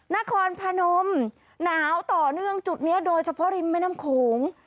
นครพนมหนาวต่อเนื่องจุดนี้โดยเฉพาะริมแม่น้ำโขง